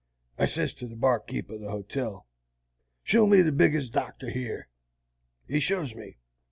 I sez to the barkeep' o' the hotel, 'Show me the biggest doctor here.' He shows me.